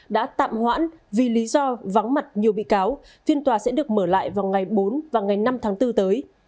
đã tạm hoãn vì lý do vắng mặt nhiều bị cáo phiên tòa sẽ được mở lại vào ngày bốn và ngày năm tháng bốn tới